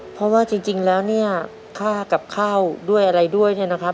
เพราะว่าจริงแล้วเนี่ยค่ากับข้าวด้วยอะไรด้วยเนี่ยนะครับ